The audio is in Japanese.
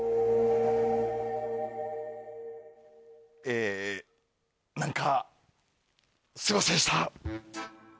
え何かすいませんでした。